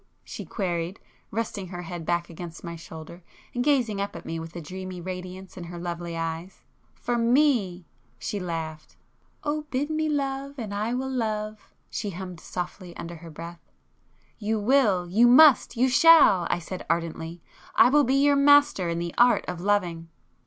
she queried, resting her head back against my shoulder, and gazing up at me with a dreamy radiance in her lovely eyes. "For me!" She laughed. "'Oh bid me love, and I will love!'"—she hummed softly under her breath. "You will, you must, you shall!" I said ardently. "I will be your master in the art of loving!"